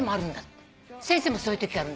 先生もそういうときある。